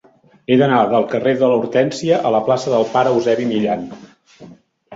He d'anar del carrer de l'Hortènsia a la plaça del Pare Eusebi Millan.